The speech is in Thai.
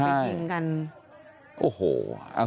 ไปจริงกัน